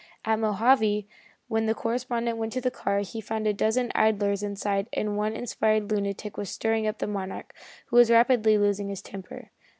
At Mojave, when the correspondent went to the car, he found a dozen idlers inside, and one inspired lunatic was stirring up the Monarch, who was rapidly losing his temper.